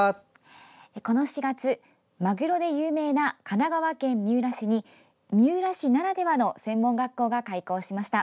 この４月、マグロで有名な神奈川県三浦市に三浦市ならではの専門学校が開校しました。